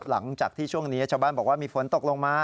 หลังจากที่ช่วงนี้ชาวบ้านบอกว่ามีฝนตกลงมา